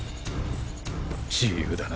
自由だな。